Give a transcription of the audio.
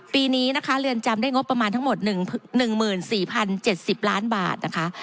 ปีนี้นะคะเรือนจำได้งบประมาณทั้งหมด๑๔๐๗๐ล้านบาทนะคะ